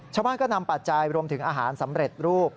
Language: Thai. ชาวบ้านก็นำปัจจัยรวมถึงอาหารสำเร็จรูป